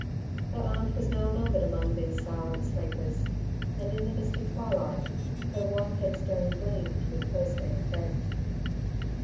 Her aunt was now numbered among these silent sleepers, and in the misty twilight her white headstone gleamed with ghostly effect.